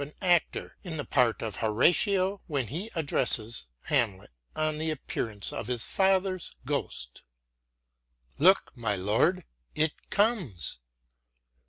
SAMUEL JOHNSON 35 an actor in the part of Horatio when he addresses Hamlet on the appearance of his father's ghost, " Look, my Lord, it comes